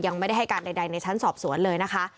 ยังไม่ได้ให้การใดในชั้นสอบสวนเลยนะคะ